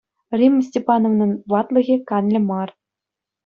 Римма Степановнӑн ватлӑхӗ канлӗ мар.